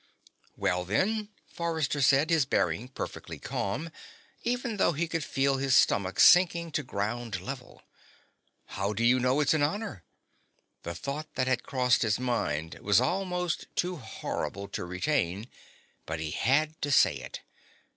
"Well, then," Forrester said, his bearing perfectly calm, even though he could feel his stomach sinking to ground level, "how do you know it's an honor?" The thought that had crossed his mind was almost too horrible to retain, but he had to say it.